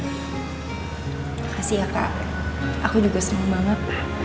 makasih ya kak aku juga seneng banget